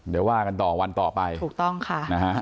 เดี๋ยวว่ากันต่อวันต่อไปถูกต้องค่ะนะฮะ